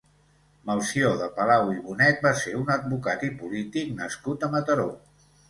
Melcior de Palau i Bonet va ser un advocat i polític nascut a Mataró.